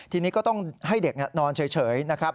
ทีนี้ก็ต้องให้เด็กนอนเฉยนะครับ